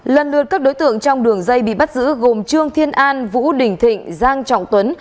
lần lượt các đối tượng trong đường dây bị bắt giữ gồm trương thiên an vũ đình thịnh giang trọng tuấn